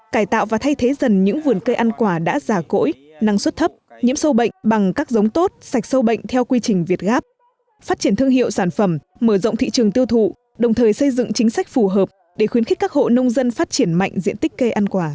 cải tạo và thay thế dần những vườn cây ăn quả đã già cỗi năng suất thấp nhiễm sâu bệnh bằng các giống tốt sạch sâu bệnh theo quy trình việt gáp phát triển thương hiệu sản phẩm mở rộng thị trường tiêu thụ đồng thời xây dựng chính sách phù hợp để khuyến khích các hộ nông dân phát triển mạnh diện tích cây ăn quả